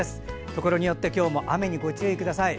ところによって今日も雨にご注意ください。